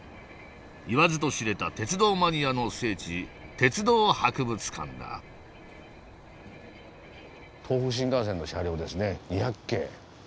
言わずと知れた鉄道マニアの聖地鉄道博物館だ東北新幹線の車両ですね２００系。